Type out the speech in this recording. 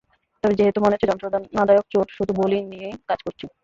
তবে যেহেতু মনে হচ্ছে যন্ত্রণাদায়ক চোট, শুধু বোলিং নিয়েই কাজ করছি।